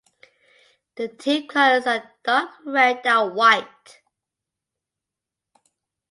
The team colours are dark red and white.